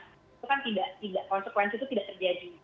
itu kan tidak konsekuensi itu tidak terjadi